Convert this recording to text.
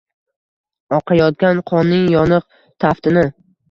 Oqayotgan qonning yoniq taftini.